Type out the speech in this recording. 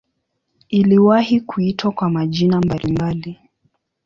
Iliwahi kuitwa kwa majina mbalimbali.